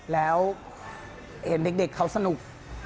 แล้วเห็นเด็กเขาสนุก